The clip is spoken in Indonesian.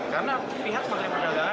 karena pihak menteri perdagangan